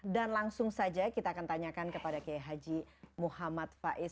dan langsung saja kita akan tanyakan kepada k h muhammad faiz